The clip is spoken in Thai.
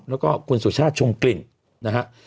แล้วก็คุณสุชาติชมกลิ่นนะฮะ